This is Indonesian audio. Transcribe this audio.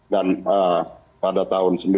dan pada tahun